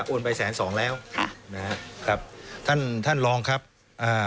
ไปแสนสองแล้วค่ะนะฮะครับท่านท่านรองครับอ่า